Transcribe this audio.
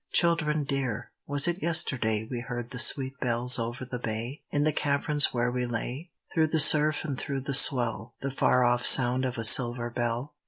Children dear, was it yesterday We heard the sweet bells over the bay? In the caverns where we lay, Through the surf and through the swell, The far off sound of a silver bell?